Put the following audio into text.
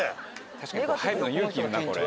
確かに入るの勇気いるなこれ。